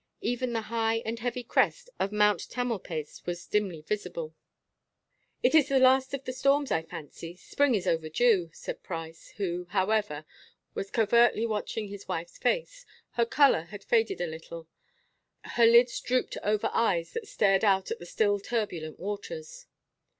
Even the high and heavy crest of Mount Tamalpais was dimly visible. "It is the last of the storms, I fancy. Spring is overdue," said Price, who, however, was covertly watching his wife's face. Her color had faded a little, her lids drooped over eyes that stared out at the still turbulent waters.